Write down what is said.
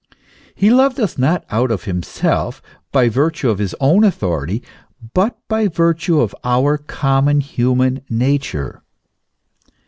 He loved us not out of himself, by virtue of his own authority, but by virtue of our common human nature.